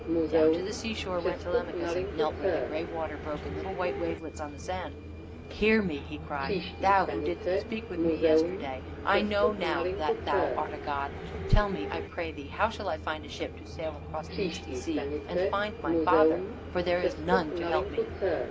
Down to the seashore went Telemachus and knelt where the gray water broke in little white wavelets on the sand. "Hear me," he cried, "thou who didst speak with me yesterday. I know now that thou art a god. Tell me, I pray thee? how shall I find a ship to sail across the misty sea and find my father? For there is none to help me."